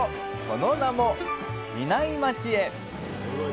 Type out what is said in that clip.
その名も比内町へ！